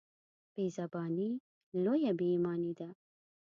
بېزباني لويه بېايماني ده.